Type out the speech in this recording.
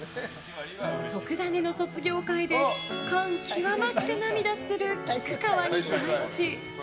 「とくダネ！」の卒業回で感極まって涙する菊川に対し。